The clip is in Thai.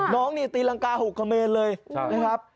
น้องนี่ตีรังกา๖เขมรเลยนะครับ